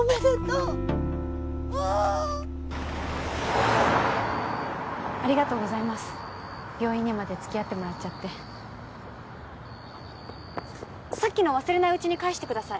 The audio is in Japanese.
ああありがとうございます病院にまでつきあってもらっちゃってさっきの忘れないうちに返してください